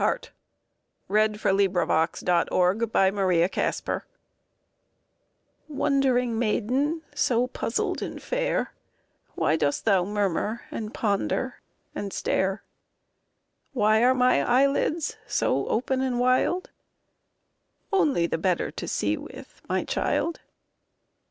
WHAT THE WOLF REALLY SAID TO LITTLE RED RIDING HOOD Wondering maiden, so puzzled and fair, Why dost thou murmur and ponder and stare? "Why are my eyelids so open and wild?" Only the better to see with, my child!